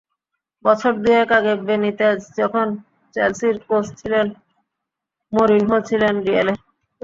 বছর দুয়েক আগে বেনিতেজ যখন চেলসির কোচ ছিলেন, মরিনহো ছিলেন রিয়ালে।